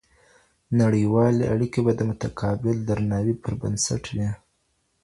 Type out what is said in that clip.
نړيوالي اړيکي به د متقابل درناوي پر بنسټ وي.